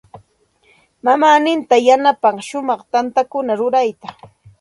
Mamaaninta yanapan shumaq tantakuna rurayta.